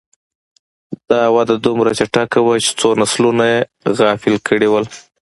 دا وده دومره چټکه وه چې څو نسلونه یې غافل کړي وو.